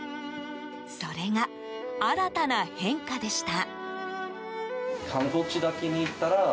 それが、新たな変化でした。